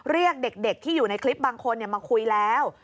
เรียกเด็กที่อยู่ในคลิปบางคนมาคุยแล้ว